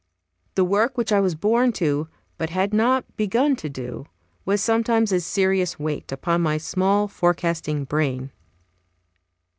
The work which I was born to, but had not begun to do, was sometimes a serious weight upon my small, forecasting brain.